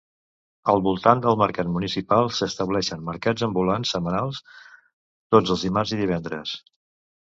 Al voltant del mercat municipal s'estableixen mercats ambulants setmanals tots els dimarts i divendres.